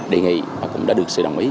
đề nghị và cũng đã được sự đồng ý